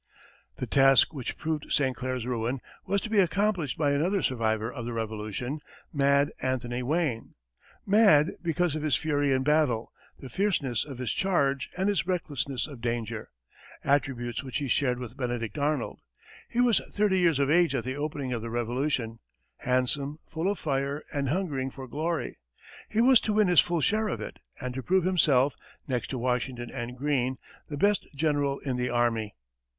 The task which proved St. Clair's ruin was to be accomplished by another survivor of the Revolution "Mad" Anthony Wayne; "Mad" because of his fury in battle, the fierceness of his charge, and his recklessness of danger attributes which he shared with Benedict Arnold. He was thirty years of age at the opening of the Revolution, handsome, full of fire, and hungering for glory. He was to win his full share of it, and to prove himself, next to Washington and Greene, the best general in the army.